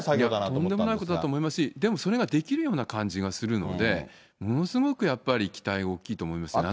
とんでもないことだなと思いますし、でもそれができるような感じがするので、ものすごくやっぱり期待大きいと思いますね。